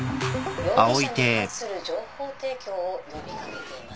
容疑者に関する情報提供を呼び掛けています。